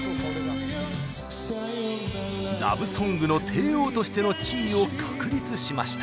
ラブソングの帝王としての地位を確立しました。